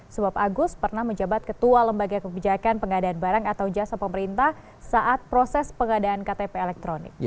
sebab agus pernah menjabat ketua lembaga kebijakan pengadaan barang atau jasa pemerintah saat proses pengadaan ktp elektronik